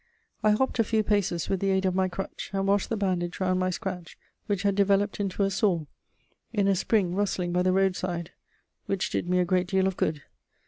I hopped a few paces with the aid of my crutch, and washed the bandage round my scratch, which had developed into a sore, in a spring rustling by the roadside, which did me a great deal of good.